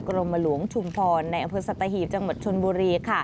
กรมหลวงชุมพรในอำเภอสัตหีบจังหวัดชนบุรี